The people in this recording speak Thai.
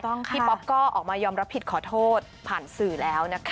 พี่ป๊อปก็ออกมายอมรับผิดขอโทษผ่านสื่อแล้วนะคะ